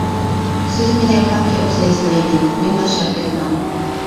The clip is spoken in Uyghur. سىز مېنى يوقلاپ كەپسىز لەيلى، مېنى تاشلاپ كەتمەڭ!